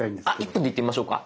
１分でいってみましょうか。